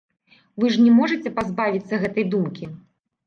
Вы ж не можаце пазбавіцца гэтай думкі?